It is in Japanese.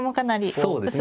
そうですね。